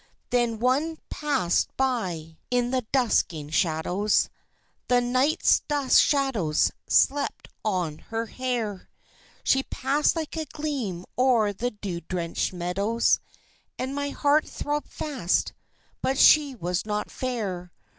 Then One passed by in the dusking shadows, The night's dusk shadows slept on her hair She passed like a gleam o'er the dew drenched meadows, And my heart throbbed fast but she was not fair.